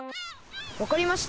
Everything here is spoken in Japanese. わかりました。